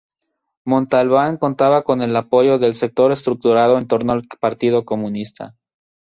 Montalbán contaba con el apoyo del sector estructurado en torno al partido comunista.